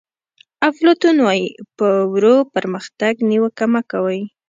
افلاطون وایي په ورو پرمختګ نیوکه مه کوئ.